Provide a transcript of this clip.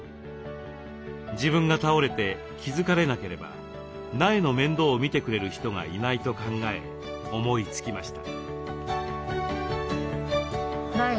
自分が倒れて気付かれなければ苗の面倒をみてくれる人がいないと考え思いつきました。